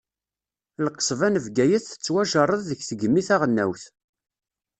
Lqesba n Bgayet tettwajerred deg tegmi taɣelnawt.